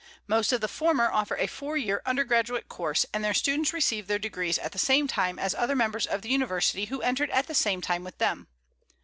Most of the former offer a four year undergraduate course, and their students receive their degrees at the same time as other members of the University who entered at the same time with them.